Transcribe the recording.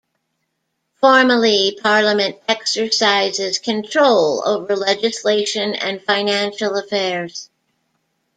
Formally, Parliament exercises control over legislation and financial affairs.